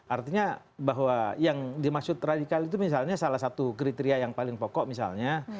artinya bahwa yang dimaksud radikal itu misalnya salah satu kriteria yang paling pokok misalnya